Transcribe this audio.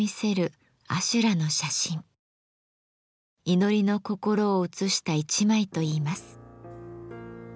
「祈りの心」を写した１枚といいます。